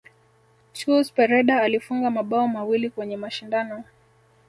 Chus pereda alifunga mabao mawili kwenye mashindano